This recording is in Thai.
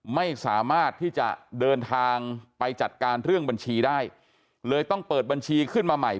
ไม่สามารถที่จะเดินทางไปจัดการเรื่องบัญชีได้เลยต้องเปิดบัญชีขึ้นมาใหม่